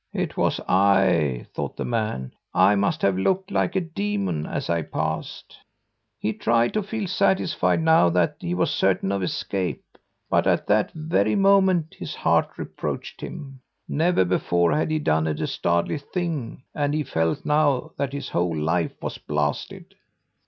'It was I,' thought the man. 'I must have looked like a demon as I passed.' "He tried to feel satisfied, now that he was certain of escape; but at that very moment his heart reproached him. Never before had he done a dastardly thing, and he felt now that his whole life was blasted.